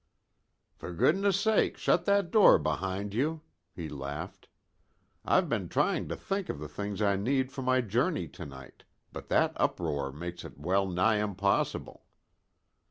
"For goodness' sake shut that door behind you," he laughed. "I've been trying to think of the things I need for my journey to night, but that uproar makes it well nigh impossible."